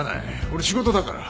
俺仕事だから。